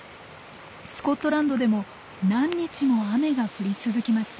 スコットランドでも何日も雨が降り続きました。